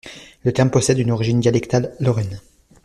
Le terme possède une origine dialectale lorraine.